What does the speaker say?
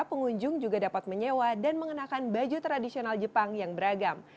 pengunjung juga dapat menyewa dan mengenakan baju tradisional jepang yang beragam